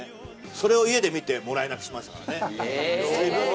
それを家で見てもらい泣きしましたからね。